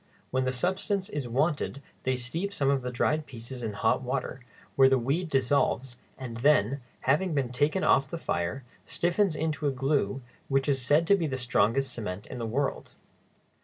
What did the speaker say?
When the substance is wanted they steep some of the dried pieces in hot water, where the weed dissolves, and then, having been taken off the fire, stiffens into a glue which is said to be the strongest cement in the world.